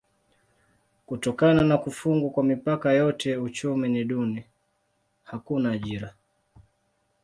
Kutokana na kufungwa kwa mipaka yote uchumi ni duni: hakuna ajira.